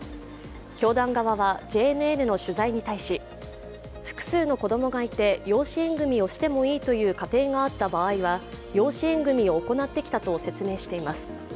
教団側はＪＮＮの取材に対し複数の子供がいて、養子縁組をしてもいいという家庭があった場合は養子縁組を行ってきたと説明しています。